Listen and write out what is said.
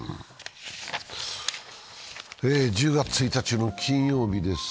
１０月１日の金曜日です。